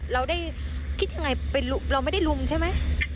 เราได้คิดยังไงเราไม่ได้ลุมใช่ไหม